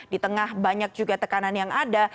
di tengah banyak juga tekanan yang ada